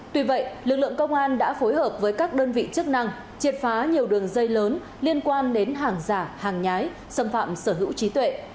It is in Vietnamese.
tuy vậy lực lượng công an đã phối hợp với các đơn vị chức năng triệt phá nhiều đường dây lớn liên quan đến hàng giả hàng nhái xâm phạm sở hữu trí tuệ